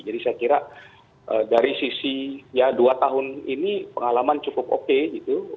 jadi saya kira dari sisi ya dua tahun ini pengalaman cukup oke gitu